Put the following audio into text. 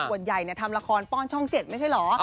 ดังกลวดใหญ่เนี่ยทำละครป้อนช่องเจ็ดไม่ใช่เหรอ